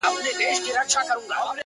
زما له ملا څخه په دې بد راځي؛